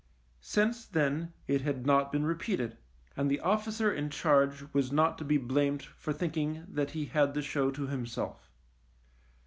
Since then it had not been repeated, and the officer in charge was not to be blamed for thinking that he had the show to himself.